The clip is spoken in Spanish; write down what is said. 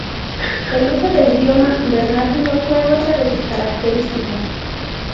El uso del idioma vernáculo fue otra de sus características.